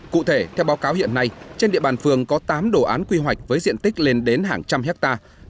cụ thể theo báo cáo hiện nay trên địa bàn phường có tám đồ án quy hoạch với diện tích lên đến hàng trăm hectare